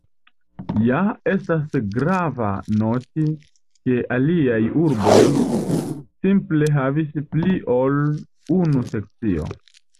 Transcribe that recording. Ja estas grava noti ke aliaj urboj simple havis pli ol unu sekcio.